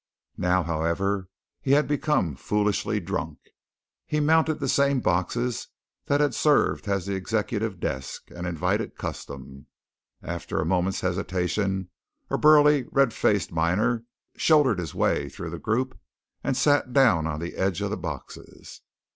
Now, however, he had become foolishly drunk. He mounted the same boxes that had served as the executive desk, and invited custom. After a moment's hesitation a burly, red faced miner shouldered his way through the group and sat down on the edge of the boxes.